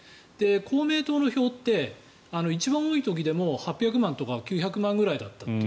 公明党の票って一番多い時でも８００万とか９００万ぐらいだったと。